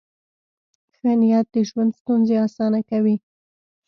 ښه نیت د ژوند ستونزې اسانه کوي.